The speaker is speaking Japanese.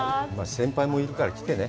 先輩もいるから来てね。